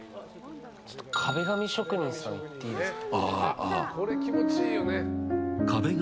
壁紙職人さん、いっていいですか。